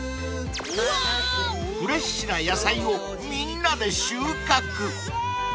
［フレッシュな野菜をみんなで収穫］